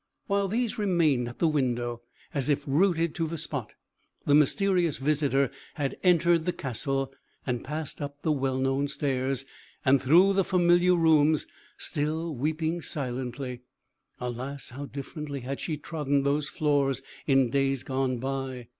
While these remained at the window, as if rooted to the spot, the mysterious visitor had entered the castle, and passed up the well known stairs, and through the familiar rooms, still weeping silently. Alas! how differently had she trodden those floors in days gone by!